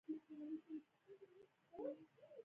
نوموړي د کارلوس سلایم پر پلونو قدم کېښود.